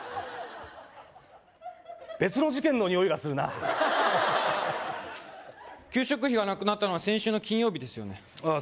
別の事件のにおいがするな給食費がなくなったのは先週の金曜日ですよねああ